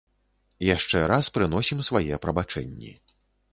Яшчэ раз прыносім свае прабачэнні.